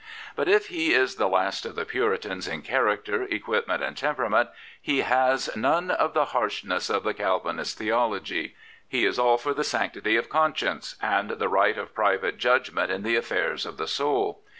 But if he is the last of the Puritans in character, equipment, and temperament, he has none of the harshness of the Calvinist theology. He is all for the sanctity of conscience and the right of private judg ment in the affairs of the soul.